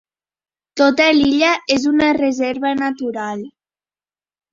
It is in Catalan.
Tota l'illa és una reserva natural.